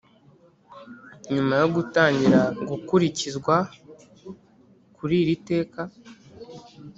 nyuma yo gutangira gukurikizwa ku iri teka